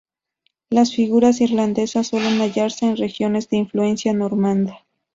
Las figuras irlandesas suelen hallarse en regiones de influencia normanda.